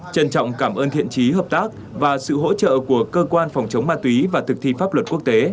trân trọng cảm ơn thiện trí hợp tác và sự hỗ trợ của cơ quan phòng chống ma túy và thực thi pháp luật quốc tế